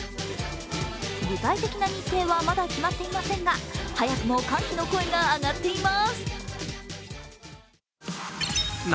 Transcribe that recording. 具体的な日程はまだ決まっていませんが、早くも歓喜の声が上がっています。